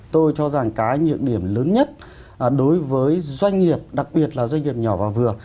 tôi cho rằng cái nhược điểm lớn nhất đối với doanh nghiệp đặc biệt là doanh nghiệp nhỏ và vừa